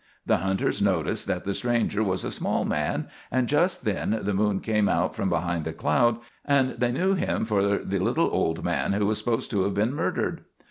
The hunters noticed that the stranger was a small man, and just then the moon came out from behind a cloud, and they knew him for the little old man who was supposed to have been murdered.